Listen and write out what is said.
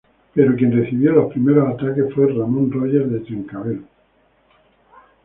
Pero quien recibió los primeros ataques fue Ramón Roger de Trencavel.